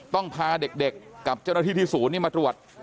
พาเด็กกับเจ้าหน้าที่ที่ศูนย์มาตรวจ